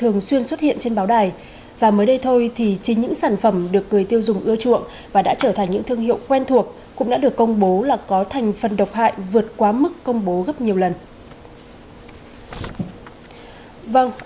nguyên thuộc cũng đã được công bố là có thành phần độc hại vượt quá mức công bố gấp nhiều lần